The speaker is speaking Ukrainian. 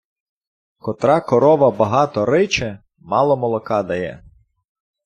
Котра корова богато риче, мало молока дає.